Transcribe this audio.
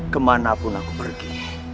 kemana pun aku pergi